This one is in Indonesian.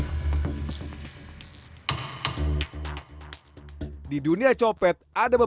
setelah menunggu selama dua jam